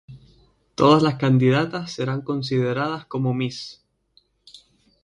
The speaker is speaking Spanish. Todas las candidatas serán consideradas como Miss.